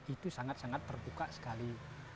itu sangat sangat terbuka sekali